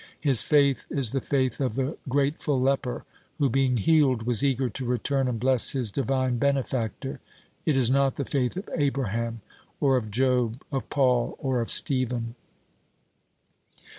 His faith is the faith of the grateful leper, who, being healed, was eager to return and bless his divine benefactor. It is not the faith of Abraham or of Job, of Paul or of Stephen.